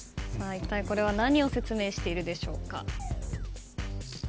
いったいこれは何を説明しているでしょうか？